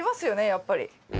やっぱり。